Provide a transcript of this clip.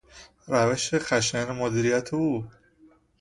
روش خشن مدیریت او